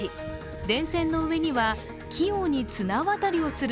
電線の上には、器用に綱渡りをする